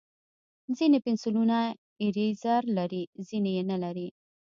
ځینې پنسلونه ایریزر لري، ځینې یې نه لري.